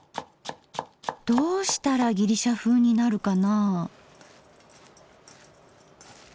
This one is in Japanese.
どうしたらギリシャふうになるかな？